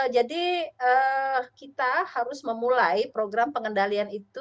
jadi kita harus memulai program pengendalian itu